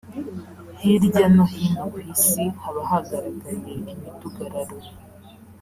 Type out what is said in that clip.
hirya no hino ku isi haba hagaragaye imidugararo